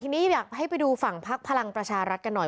ทีนี้อยากให้ไปดูฝั่งพักพลังประชารัฐกันหน่อย